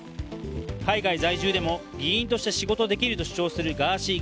海外在住でも議員として仕事はできると主張するガーシー